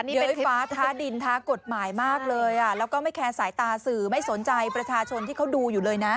นี่เป็นฟ้าท้าดินท้ากฎหมายมากเลยอ่ะแล้วก็ไม่แคร์สายตาสื่อไม่สนใจประชาชนที่เขาดูอยู่เลยนะ